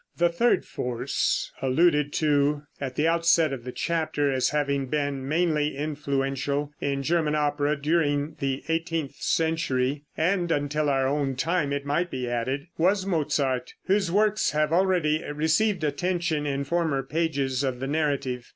The third force alluded to at the outset of the chapter, as having been mainly influential in German opera during the eighteenth century (and until our own time, it might be added), was Mozart, whose works have already received attention in former pages of the narrative.